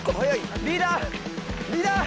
リーダーリーダー！